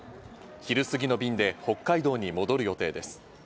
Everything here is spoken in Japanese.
昼過ぎの便で北海道に戻る予定です。